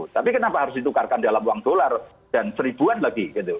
tapi kenapa harus ditukarkan dalam uang dolar dan seribuan lagi gitu